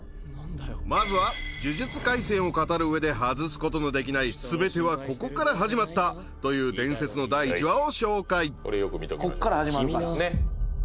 まずは「呪術廻戦」を語るうえで外すことのできない全てはここから始まった！という伝説の第１話を紹介。